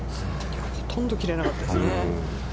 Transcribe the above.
ほとんど切れなかったですね。